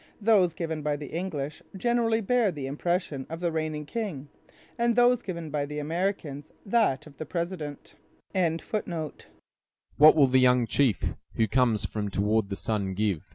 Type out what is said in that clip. Those given by the English generally bear the impression of the reigning king, and those given by the Americans that of the president. "What will the young chief, who comes from toward the sun, give?"